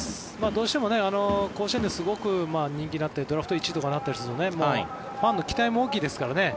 どうしても甲子園ですごく人気だったりドラフト１位になったりするとファンの期待も大きいですからね。